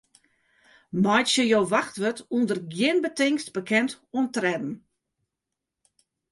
Meitsje jo wachtwurd ûnder gjin betingst bekend oan tredden.